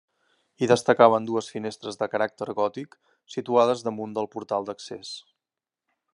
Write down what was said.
Hi destacaven dues finestres de caràcter gòtic situades damunt del portal d'accés.